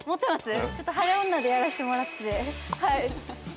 ちょっと晴れ女でやらしてもらってて。